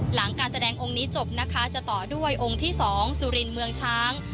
หลังการแสดงองค์นี้จบนะคะจะต่อด้วยองค์ที่๒สุรินทร์เมืองช้าง